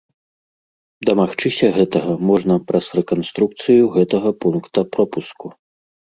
Дамагчыся гэтага можна праз рэканструкцыю гэтага пункта пропуску.